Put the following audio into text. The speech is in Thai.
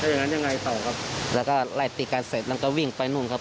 อย่างนั้นยังไงต่อครับแล้วก็ไล่ตีกันเสร็จมันก็วิ่งไปนู่นครับ